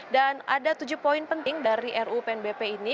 dan ada tujuh poin penting dari ruu pnbp ini